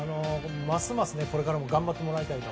ますますこれからも頑張ってもらいたいと。